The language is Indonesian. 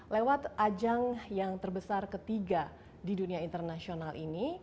lewat ajang yang terbesar ketiga di dunia internasional ini